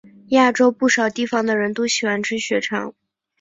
亚洲不少地方的人都喜欢吃血肠。